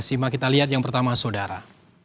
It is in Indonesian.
sima kita lihat yang pertama saudara